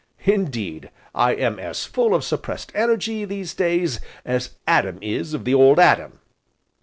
Indeed, I am as full of suppressed energy, these days, as Adam is of the 'Old Adam.'